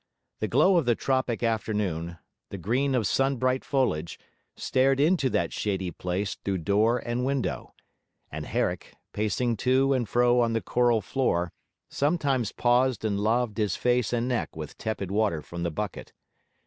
The glow of the tropic afternoon, the green of sunbright foliage, stared into that shady place through door and window; and Herrick, pacing to and fro on the coral floor, sometimes paused and laved his face and neck with tepid water from the bucket.